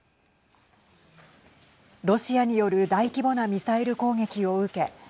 ロシアによる大規模なミサイル攻撃を受け